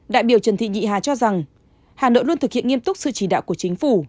đại biểu trần thị nhị hà cho rằng hà nội luôn thực hiện nghiêm túc sự chỉ đạo của chính phủ